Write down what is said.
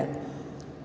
di tengah pertarungan